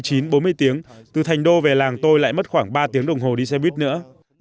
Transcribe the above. tại đây tàu mất ba mươi chín bốn mươi tiếng từ thành đô về làng tôi lại mất khoảng ba tiếng đồng hồ đi xe buýt nữa